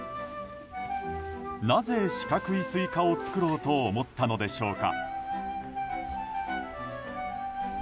なぜ、四角いスイカを作ろうと思ったのでしょうか。